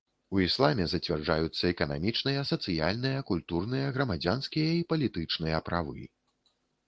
У ісламе зацвярджаюцца эканамічныя, сацыяльныя, культурныя, грамадзянскія і палітычныя правы.